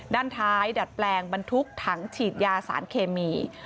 ด้านท้ายดัดแปลงบรรทุกถังฉีดยาสารเคมี